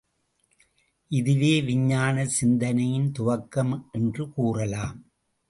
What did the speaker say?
இதுவே விஞ்ஞானச் சிந்தனையின் துவக்கம் என்று கூறலாம்.